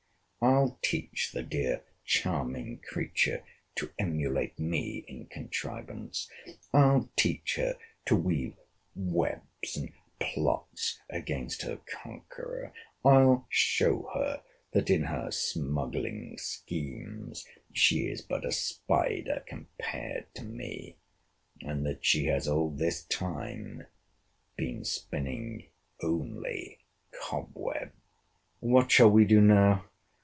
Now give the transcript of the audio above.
I'll teach the dear, charming creature to emulate me in contrivance; I'll teach her to weave webs and plots against her conqueror! I'll show her, that in her smuggling schemes she is but a spider compared to me, and that she has all this time been spinning only a cobweb! What shall we do now!